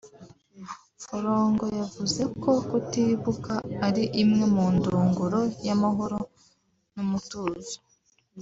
Forongo yavuze ko kutibuka ari imwe mu ndunguro y’amahoro n’umutuzo